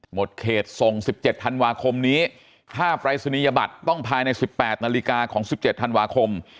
หมดเขตส่ง๑๗ธันวาคมนี้ถ้าปรายศนียบัตรต้องภายใน๑๘นาฬิกาของ๑๗ธันวาคม